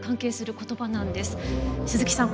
鈴木さん